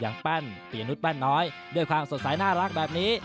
แป้นปียนุษยแป้นน้อยด้วยความสดใสน่ารักแบบนี้